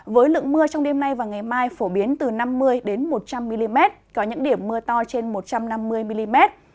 với lượng mưa trong đêm nay và ngày mai phổ biến từ năm mươi một trăm linh mm có những điểm mưa to trên một trăm năm mươi mm